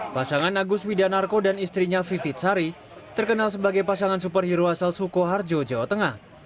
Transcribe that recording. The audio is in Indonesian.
pasangan agus widanarko dan istrinya vivit sari terkenal sebagai pasangan superhero asal sukoharjo jawa tengah